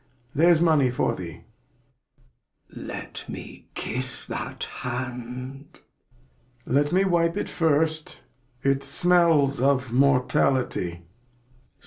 ^There's Money for thee. Glost. Let me kiss that Hand. Lear. Let me wipe it first ; it smeUs of Mortality.